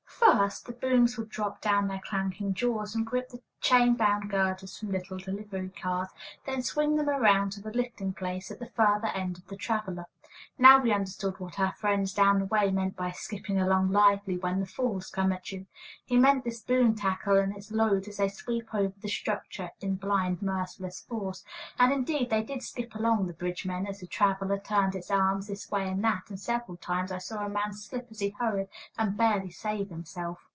First, the booms would drop down their clanking jaws and grip the chain bound girders from little delivery cars, then swing them around to the lifting place at the farther end of the traveler. Now we understood what our friend down the way meant by "skipping along lively when the falls come at you." He meant this boom tackle and its load as they sweep over the structure in blind, merciless force. And, indeed, they did skip along, the bridge men, as the traveler turned its arms this way and that, and several times I saw a man slip as he hurried, and barely save himself.